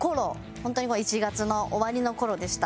本当に１月の終わりの頃でした。